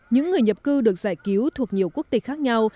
những người nhập cư được giải cứu thuộc nhiều quốc tịch khác nhau